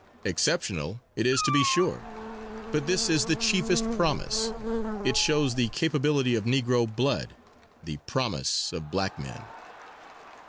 Exceptional it is to be sure, but this is its chiefest promise; it shows the capability of Negro blood, the promise of black men.